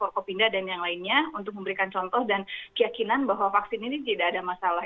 kopinda dan yang lainnya untuk memberikan contoh dan keyakinan bahwa vaksin ini tidak ada masalah